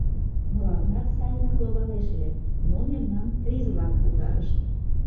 Мыланнат сайынак логалеш ыле, но мемнам приз-влак утарышт.